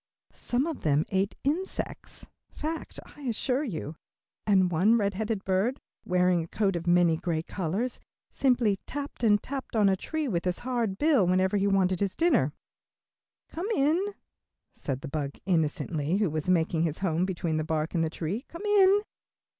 Some of them ate insects fact, I assure you and one red headed bird, wearing a coat of many gay colors, simply tapped and tapped on a tree with his hard bill whenever he wanted his dinner. "Come in," said the bug, innocently, who was making his home between the bark and the tree, "come in."